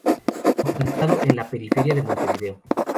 Localizado en la periferia de Montevideo.